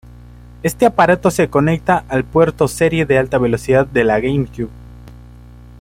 Este aparato se conecta al puerto serie de alta velocidad de la GameCube.